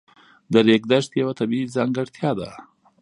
د ریګ دښتې یوه طبیعي ځانګړتیا ده.